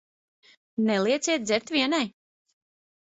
Nelieciet dzert vienai.